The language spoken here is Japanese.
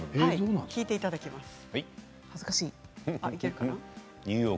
聞いていただきます。